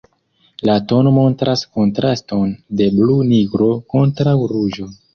La tono montras kontraston de blu-nigro kontraŭ ruĝo.